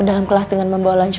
semuanya gelen kan mungkin kalau